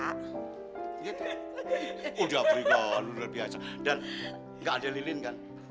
gitu udah berikauan udah biasa dan gak ada lilin kan